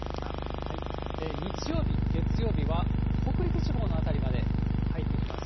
日曜日、月曜日は北陸地方の辺りまで入ってきます。